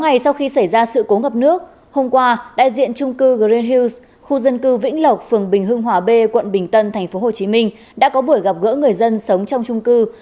ngày sau khi xảy ra sự cố ngập nước hôm qua đại diện trung cư green hills khu dân cư vĩnh lộc phường bình hưng hòa b quận bình tân tp hcm đã có buổi gặp gỡ người dân sống trong trung cư